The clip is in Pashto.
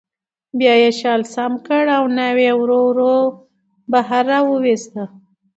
بیا یې شال سم کړ او ناوې یې ورو ورو بهر راوویسته